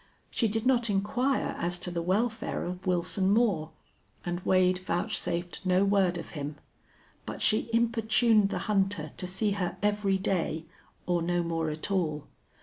She did not inquire as to the welfare of Wilson Moore, and Wade vouchsafed no word of him. But she importuned the hunter to see her every day or no more at all.